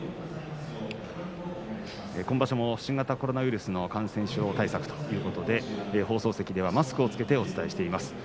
今場所も新型コロナウイルスの感染症対策ということで放送席ではマスクを着けてお伝えしています。